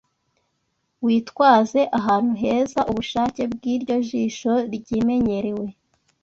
witwaze ahantu heza Ubushake bwiryo jisho ryimenyerewe